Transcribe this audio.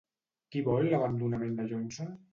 Qui vol l'abandonament de Johnson?